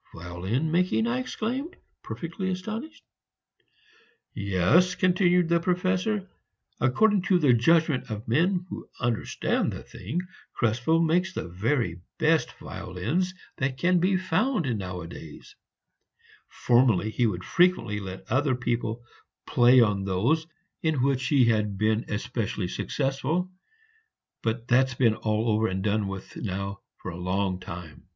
"Violin making!" I exclaimed, perfectly astonished. "Yes," continued the Professor, "according to the judgment of men who understand the thing, Krespel makes the very best violins that can be found nowadays; formerly he would frequently let other people play on those in which he had been especially successful, but that's been all over and done with now for a long time.